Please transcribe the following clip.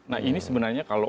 nah ini sebenarnya kalau